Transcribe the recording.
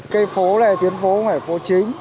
cây phố này tuyến phố không phải phố chính